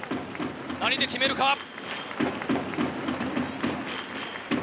何で決めるか。